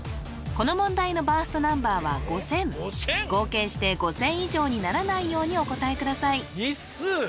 この問題のバーストナンバーは５０００合計して５０００以上にならないようにお答えください・日数！？